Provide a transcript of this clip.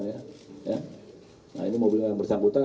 nah ini mobilnya bersangkutan